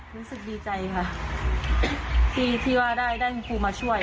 รู้สึกดีใจค่ะที่ว่าได้คุณครูมาช่วย